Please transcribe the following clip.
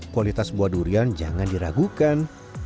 kualitas buah durian jangan diragukan